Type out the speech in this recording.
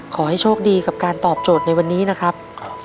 ขอให้โชคดีกับการตอบโจทย์ในวันนี้นะครับ